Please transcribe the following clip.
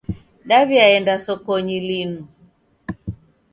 Daw'iaenda sokonyi linu.